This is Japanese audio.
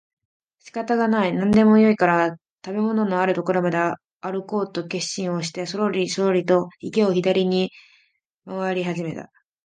仕方がない、何でもよいから食物のある所まであるこうと決心をしてそろりそろりと池を左に廻り始めた